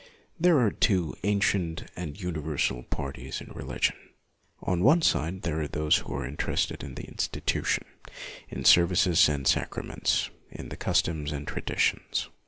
There are two ancient and universal parties in religion. On one side are those who are interested in the institution, in services and sacraments, in customs and traditions.